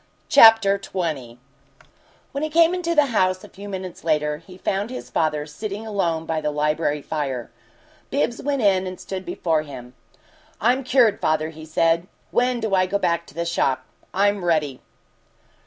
CHAPTER XX When he came into the New House, a few minutes later, he found his father sitting alone by the library fire. Bibbs went in and stood before him. "I'm cured, father," he said. "When do I go back to the shop? I'm ready."